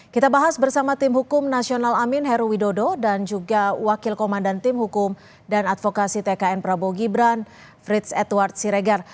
kita bahas bersama tim hukum nasional amin heru widodo dan juga wakil komandan tim hukum dan advokasi tkn prabowo gibran frits edward siregar